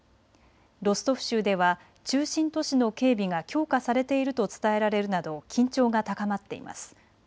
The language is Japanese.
ロストフ州では中心都市の警備が強化されていると伝えられるなど緊張が高まっています。